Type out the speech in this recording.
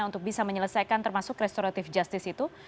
untuk bisa menyelesaikan termasuk restoratif justice itu